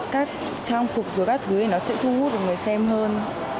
các trang phục rồi các thứ thì nó sẽ thu hút được người xem hơn